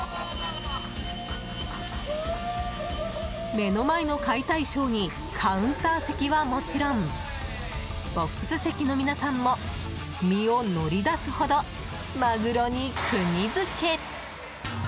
目の前の解体ショーにカウンター席はもちろんボックス席の皆さんも身を乗り出すほどマグロにくぎ付け。